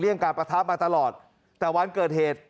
เลี่ยงการปฏามาตลอดแต่วันเกิดเหตุ